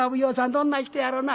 どんな人やろな？」。